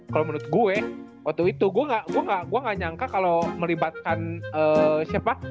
kalo menurut gue waktu itu gue gak nyangka kalo melibatkan cleveland